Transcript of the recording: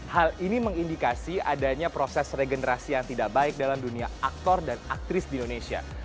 hal ini mengindikasi adanya proses regenerasi yang tidak baik dalam dunia aktor dan aktris di indonesia